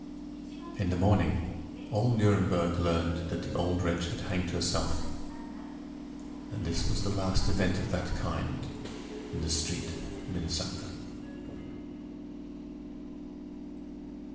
In the morning, all Nuremberg learned that the old wretch had hanged herself, and this was the last event of that kind in the Street Minnesänger.